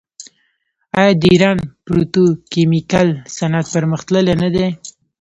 آیا د ایران پتروکیمیکل صنعت پرمختللی نه دی؟